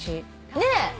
ねえ。